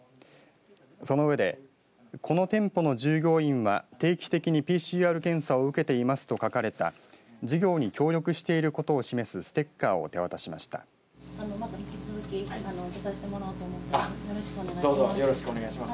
その上でこの店舗の従業員は定期的にＰＣＲ検査を受けていますと書かれた事業に協力していることを示すステッカーを手渡しました。